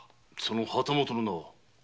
旗本の名は？